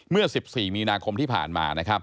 เมื่อ๑๔มีนาคมที่ผ่านมา